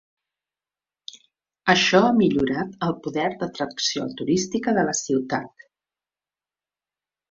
Això ha millorat el poder d'atracció turística de la ciutat.